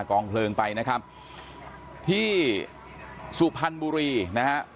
กองเพลิงไปนะครับที่สุพรรณบุรีนะฮะ